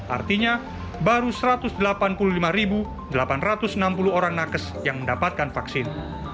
artinya baru satu ratus delapan puluh lima delapan ratus enam puluh orang nakes yang mendapatkan vaksin